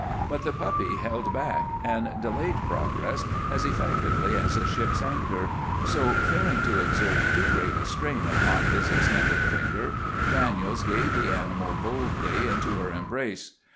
But the puppy held back and delayed progress as effectively as a ship's anchor, so, fearing to exert too great a strain upon his extended finger, Daniels gave the animal bodily into her embrace.